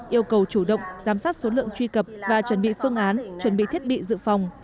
yêu cầu chủ động giám sát số lượng truy cập và chuẩn bị phương án chuẩn bị thiết bị dự phòng